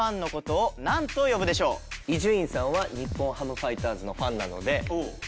伊集院さんは日本ハムファイターズのファンなので。